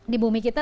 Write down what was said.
di bumi kita